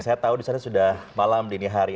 saya tahu disana sudah malam dini hari